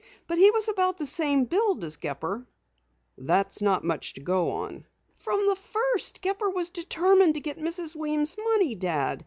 He was about the same build as Gepper." "That's not much to go on." "From the first Gepper was determined to get Mrs. Weems' money, Dad.